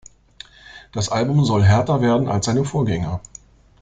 Das Album soll härter werden als seine Vorgänger.